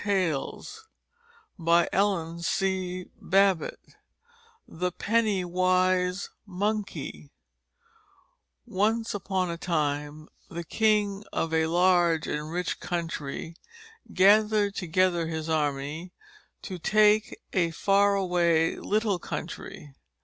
VIII THE PENNY WISE MONKEY Once upon a time the king of a large and rich country gathered together his army to take a faraway little country.